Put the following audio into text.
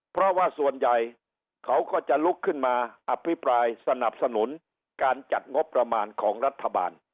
เพราะว่าส่วนใหญ่เขาก็จะลุกขึ้นมาอภิปรายสนับสนุนการจัดงบประมาณของรัฐบาล